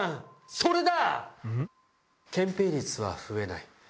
それだ。